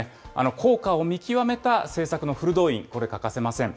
効果を見極めた政策のフル動員、これ、欠かせません。